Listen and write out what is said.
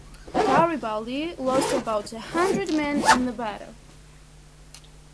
Garibaldi lost about a hundred men in the battle.